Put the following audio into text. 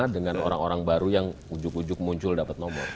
dengan orang orang baru yang ujuk ujug muncul dapat nomor